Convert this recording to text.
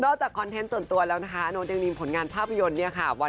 คอนเทนต์ส่วนตัวแล้วนะคะโน๊ตยังมีผลงานภาพยนตร์เนี่ยค่ะ